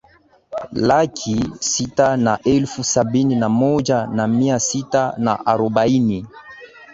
laki sita na elfu sabini na moja na mia sita na arobaini